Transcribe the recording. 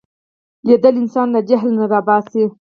لیدل انسان له جهل نه را باسي